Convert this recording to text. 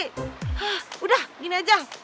hah udah gini aja